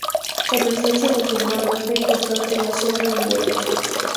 La presencia musulmana fue importante en la zona de Huerto.